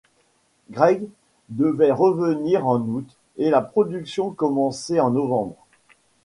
Craig devait revenir en août et la production commencer en novembre.